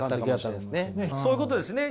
そういうことですね。